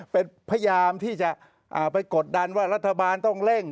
เป็นพยายามที่จะไปกดดันว่ารัฐบาลต้องเร่ง